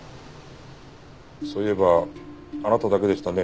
そういえばあなただけでしたね